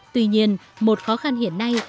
tuy nhiên một khó khăn hiện nay